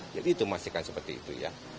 jadi itu memastikan seperti itu ya